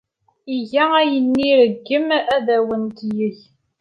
Iga ayen ay iṛeggem ad awen-t-yeg.